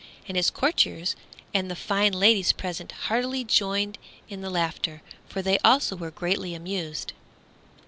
And his courtiers and the fine ladies present heartily joined in the laughter, for they also were greatly amused.